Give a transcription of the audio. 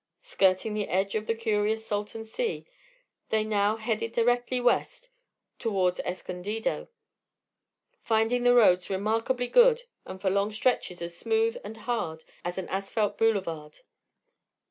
Skirting the edge of the curious Salton Sea they now headed directly west toward Escondido, finding the roads remarkably good and for long stretches as smooth and hard as an asphalt boulevard.